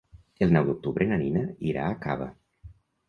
El nou d'octubre na Nina irà a Cava.